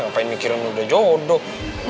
gak mau mikirin udah jodoh